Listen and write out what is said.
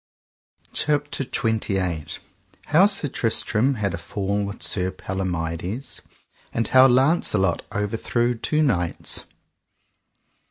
CHAPTER XXVII. How Sir Tristram had a fall with Sir Palomides, and how Launcelot overthrew two knights.